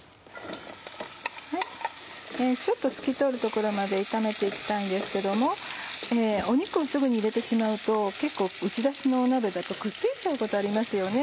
ちょっと透き通るところまで炒めて行きたいんですけども肉をすぐに入れてしまうと結構打ち出しの鍋だとくっついちゃうことありますよね。